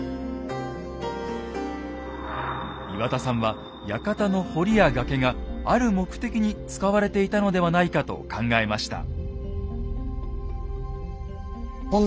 岩田さんは館の堀や崖がある目的に使われていたのではないかと考えました。